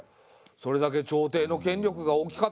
それだけ朝廷の権力が大きかったってことでしょ。